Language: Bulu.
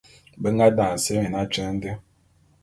Be nga daňe semé atyeň dé.